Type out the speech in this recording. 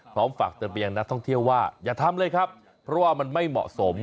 ฝากเตือนไปยังนักท่องเที่ยวว่าอย่าทำเลยครับเพราะว่ามันไม่เหมาะสม